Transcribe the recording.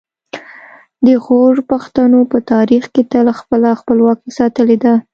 د غور پښتنو په تاریخ کې تل خپله خپلواکي ساتلې ده